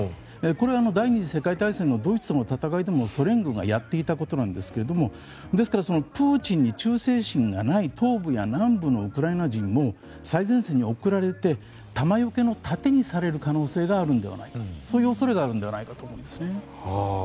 これは第２次世界大戦のドイツとの戦いでもソ連軍がやっていたことなんですがですからプーチンに忠誠心がない東部や南部のウクライナ人も最前線に送られて弾よけの盾にされる可能性があるのではないかとそういう恐れがあるんではないかと思いますね。